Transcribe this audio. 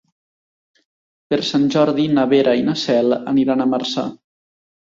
Per Sant Jordi na Vera i na Cel aniran a Marçà.